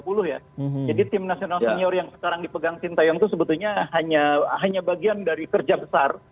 jadi timnasional senior yang sekarang dipegang sintiong itu sebetulnya hanya bagian dari kerja besar